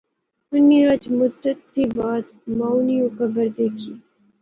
انی اج مدت تھی بعد مائو نی او قبر دیکھی